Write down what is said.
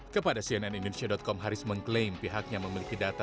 kepada cnnindonesia com haris mengklaim pihaknya memiliki data